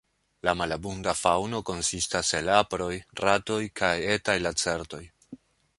La malabunda faŭno konsistas el aproj, ratoj kaj etaj lacertoj.